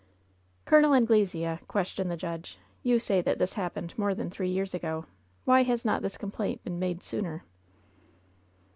"Col. Anglesea," questioned the judge, "you say that this happened more than three years ago. Why has not this complaint been made sooner?"